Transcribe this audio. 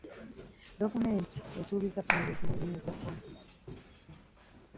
Gavumenti esuubiza kamera eziwunyiriza bbomu.